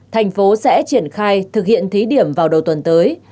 thành phố sẽ triển khai thực hiện thí điểm vào đầu tuần tới